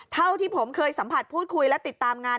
เท่าที่ผมเคยสัมผัสพูดคุยและติดตามงาน